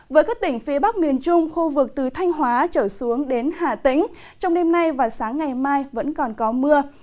với các tỉnh phía bắc miền trung khu vực từ thanh hóa trở xuống đến hà tĩnh trong đêm nay và sáng ngày mai vẫn còn có mưa